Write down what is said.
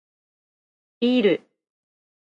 ビール